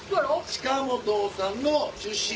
近本さんの出身。